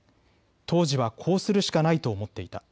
当時はこうするしかないと思っていた。